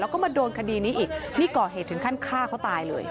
แล้วก็มาโดนคดีนี้อีกนี่ก่อเหตุถึงขั้นฆ่าเขาตายเลย